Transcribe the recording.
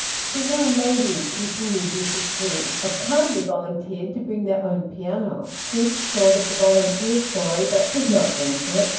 " The young ladies," continued Mrs. T., " have kindly volunteered to bring their own piano." Tibbs thought of the volunteer story, but did not venture it.